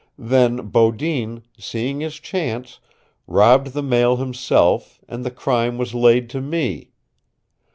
Then Beaudin, seeing his chance, robbed the mail himself, and the crime was laid to me.